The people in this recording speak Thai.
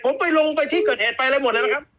ผมไปลงไปที่เกิดเหตุไปอะไรหมดเลยนะครับ